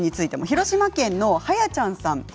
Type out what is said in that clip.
広島県の方からです。